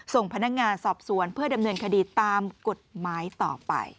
ส่งพนักงานสอบสวนเพื่อดำเนินคดีตามกฎหมายต่อไป